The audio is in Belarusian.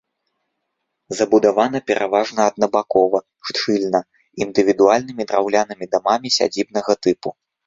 Забудавана пераважна аднабакова, шчыльна, індывідуальнымі драўлянымі дамамі сядзібнага тыпу.